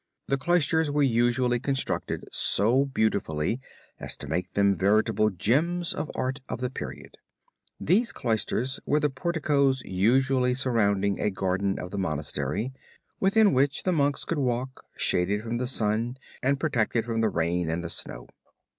The cloisters were usually constructed so beautifully as to make them veritable gems of the art of the period. These cloisters were the porticos usually surrounding a garden of the monastery within which the Monks could walk, shaded from the sun, and protected from the rain and the snow.